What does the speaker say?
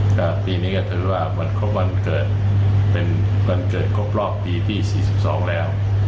ก็ปีนี้ก็ถือว่าวันครบวันเกิดเป็นวันเกิดครบรอบปีที่๔๒แล้ว